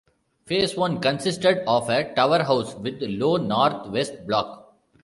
Phase One consisted of a tower house with low north-west block.